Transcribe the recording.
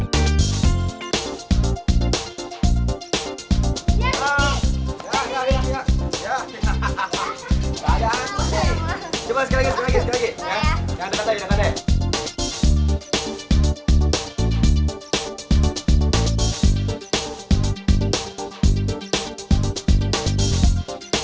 ya dekat lagi dekat lagi